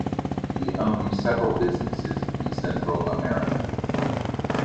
He owned several businesses in Central America.